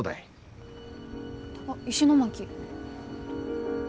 あっ石巻。